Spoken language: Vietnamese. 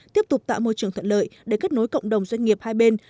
tiếp tục tạo môi trường thuận lợi để kết nối cộng đồng doanh nghiệp hai bên